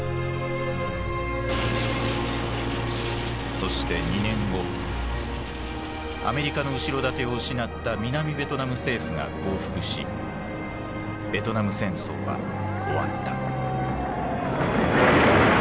そして２年後アメリカの後ろ盾を失った南ベトナム政府が降伏しベトナム戦争は終わった。